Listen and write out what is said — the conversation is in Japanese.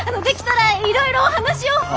できたらいろいろお話を。